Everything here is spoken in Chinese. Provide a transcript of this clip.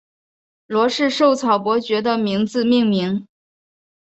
罗氏绶草伯爵的名字命名。